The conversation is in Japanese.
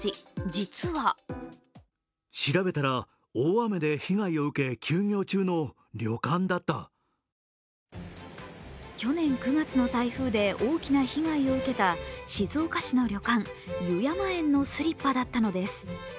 実は去年９月の台風で大きな被害を受けた静岡市の旅館油山苑のスリッパだったのです。